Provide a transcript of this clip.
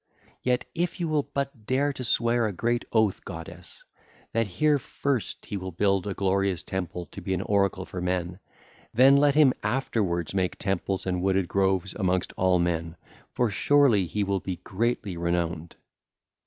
Yet if you will but dare to sware a great oath, goddess, that here first he will build a glorious temple to be an oracle for men, then let him afterwards make temples and wooded groves amongst all men; for surely he will be greatly renowned.